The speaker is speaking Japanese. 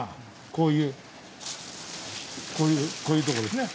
こういうこういうとこですね。